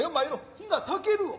日がたけるわ。